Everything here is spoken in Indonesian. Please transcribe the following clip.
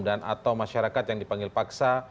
dan atau masyarakat yang dipanggil paksa